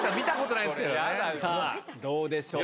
さあ、どうでしょう。